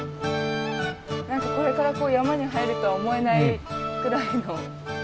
何かこれから山に入るとは思えないくらいの。